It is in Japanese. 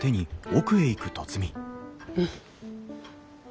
うん。